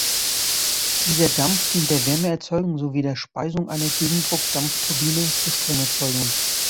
Dieser Dampf dient der Wärmeerzeugung sowie der Speisung einer Gegendruck-Dampfturbine zur Stromerzeugung.